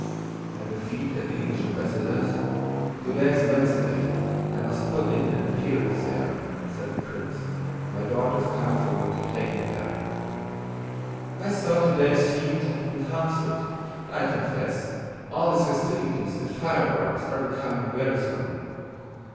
"And the fete at the English ambassador's? Today is Wednesday. I must put in an appearance there," said the prince. "My daughter is coming for me to take me there." "I thought today's fete had been canceled. I confess all these festivities and fireworks are becoming wearisome."